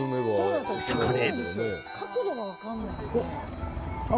そこで。